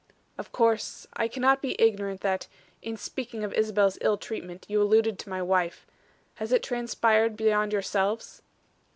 "Of course I cannot be ignorant that, in speaking of Isabel's ill treatment, you alluded to my wife. Has it transpired beyond yourselves?"